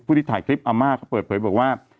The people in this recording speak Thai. ที่ถ่ายคลิปอาม่าเขาเปิดเผยบอกว่า